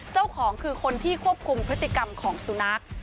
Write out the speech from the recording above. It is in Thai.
เจ้าของคือคนที่ควบคุมพฤติกรรมของสุนัข